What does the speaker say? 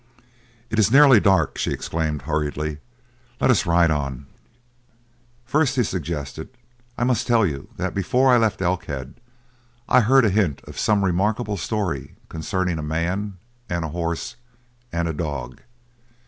"It is nearly dark!" she exclaimed hurriedly. "Let us ride on." "First," he suggested, "I must tell you that before I left Elkhead I heard a hint of some remarkable story concerning a man and a horse and a dog.